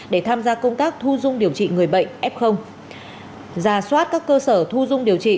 để tham gia công tác thu dung điều trị người bệnh f giả soát các cơ sở thu dung điều trị